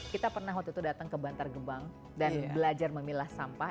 kita pernah waktu itu datang ke bantar gebang dan belajar memilah sampah